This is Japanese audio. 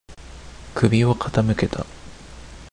首を傾けた。